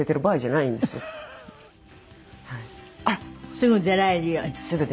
すぐ出られるように。